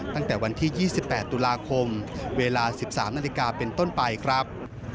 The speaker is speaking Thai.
ตั้งแต่วันที่๒๘ตุลาคมเวลา๑๓นาฬิกาเป็นต้นไปครับ